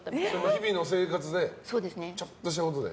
日々の生活でちょっとしたことで。